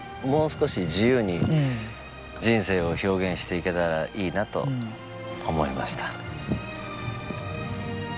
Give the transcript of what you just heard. もう少し自由に人生を表現していけたらいいなと思いました。